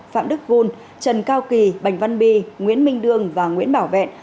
phạm đức vun trần cao kỳ bảnh văn bi nguyễn minh đương và nguyễn bảo vẹn